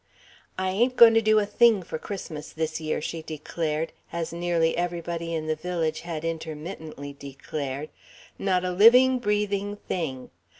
"I ain't going to do a thing for Christmas this year," she declared, as nearly everybody in the village had intermittently declared, "not a living, breathing thing.